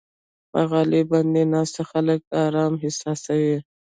په غالۍ باندې ناست خلک آرام احساسوي.